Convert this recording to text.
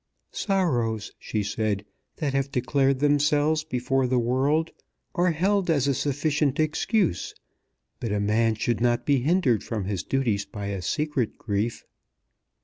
"Sorrows," she said, "that have declared themselves before the world are held as sufficient excuse; but a man should not be hindered from his duties by secret grief."